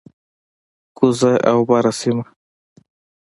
کوزه او بره سیمه،